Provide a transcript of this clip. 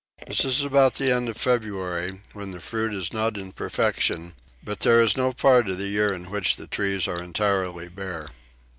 This is about the end of February when the fruit is not in perfection; but there is no part of the year in which the trees are entirely bare.